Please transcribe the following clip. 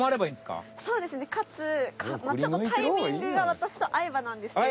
かつちょっとタイミングが私と合えばなんですけど。